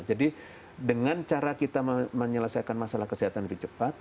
jadi dengan cara kita menyelesaikan masalah kesehatan lebih cepat